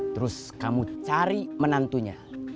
terus kamu cari menantunya